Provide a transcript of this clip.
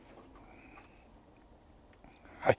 はい。